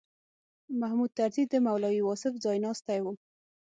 محمود طرزي د مولوي واصف ځایناستی و.